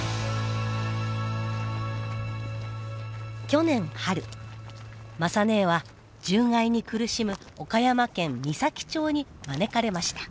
去年春雅ねえは獣害に苦しむ岡山県美咲町に招かれました。